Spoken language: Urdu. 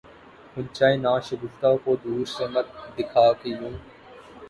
غنچۂ ناشگفتہ کو دور سے مت دکھا کہ یوں